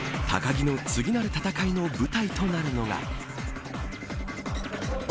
高木の次なる戦いの舞台となるのが。